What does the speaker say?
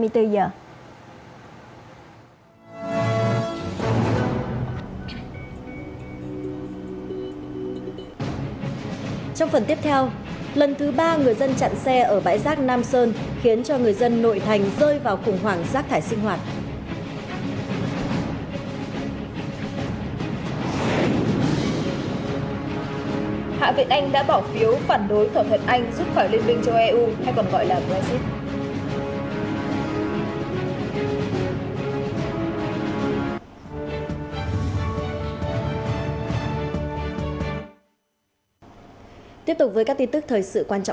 trong phần tiếp theo lần thứ ba người dân chặn xe ở bãi rác nam sơn khiến cho người dân nội thành rơi vào khủng hoảng rác thải sinh hoạt